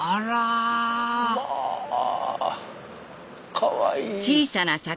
かわいい。